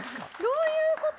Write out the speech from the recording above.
どういうこと？